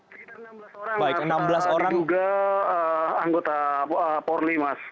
sekitar enam belas orang diduga anggota polri mas